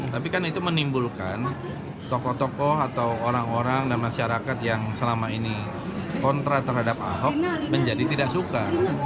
tapi kan itu menimbulkan tokoh tokoh atau orang orang dan masyarakat yang selama ini kontra terhadap ahok menjadi tidak suka